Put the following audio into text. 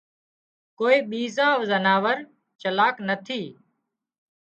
ڪوئي ٻيزُون زناور چالاڪ نٿي